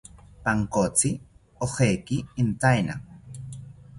Pankotzi ojeki intaena